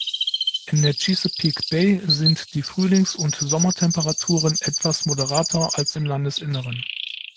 In der Chesapeake Bay sind die Frühlings- und Sommertemperaturen etwas moderater als im Landesinneren.